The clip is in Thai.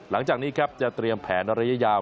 หลังจากนี้ครับจะเตรียมแผนระยะยาว